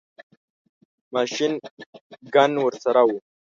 ماشین ګن ورسره وو.